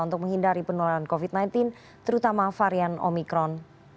untuk menghindari penularan covid sembilan belas terutama varian omikron